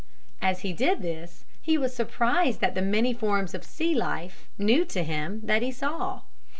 As he did this he was surprised at the many forms of sea life, new to him, that he saw.